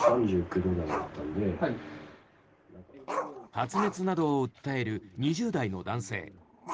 発熱などを訴える２０代の男性。